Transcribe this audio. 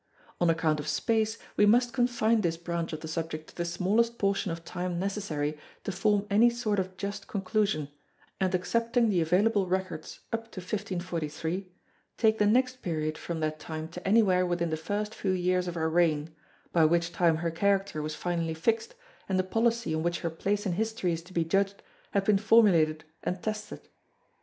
On account of space we must confine this branch of the subject to the smallest portion of time necessary to form any sort of just conclusion and accepting the available records up to 1543, take the next period from that time to anywhere within the first few years of her reign by which time her character was finally fixed and the policy on which her place in history is to be judged had been formulated and tested.